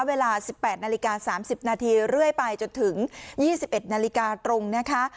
เวลา๑๘นาฬิกา๓๐นาทีเรื่อยไปจนถึง๒๑นาฬิกาตรงนะคะ